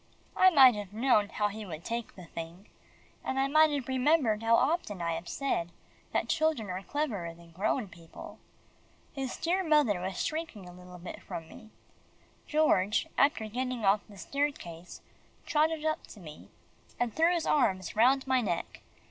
I might have known how he would take the thing, and I might have remembered how often I have said, that children are cleverer than grown people. His dear mother was shrinking a little bit from me. George, after getting off the staircase, trotted up to me, and threw his arms round my neck.